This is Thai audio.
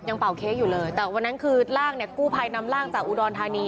เป่าเค้กอยู่เลยแต่วันนั้นคือร่างเนี่ยกู้ภัยนำร่างจากอุดรธานี